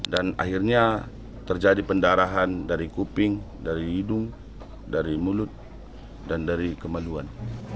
dan akhirnya terjadi pendarahan dari kuping dari hidung dari mulut dan dari kemaluan